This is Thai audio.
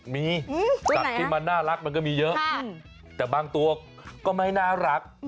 มีสัตว์ที่มันน่ารักมันก็มีเยอะแต่บางตัวก็ไม่น่ารัก